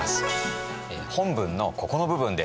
本文のここの部分です。